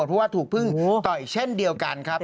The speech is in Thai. เพราะว่าถูกพึ่งต่อยเช่นเดียวกันครับ